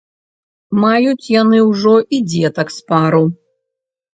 Маюць яны ўжо і дзетак з пару.